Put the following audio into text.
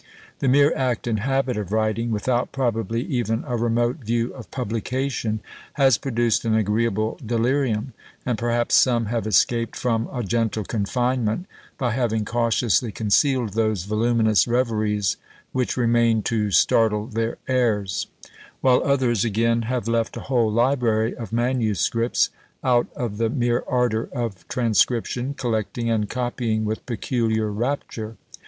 The mere act and habit of writing, without probably even a remote view of publication, has produced an agreeable delirium; and perhaps some have escaped from a gentle confinement by having cautiously concealed those voluminous reveries which remained to startle their heirs; while others again have left a whole library of manuscripts, out of the mere ardour of transcription, collecting and copying with peculiar rapture.